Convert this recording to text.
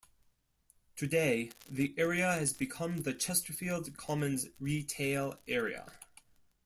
Today, the area has become the Chesterfield Commons retail area.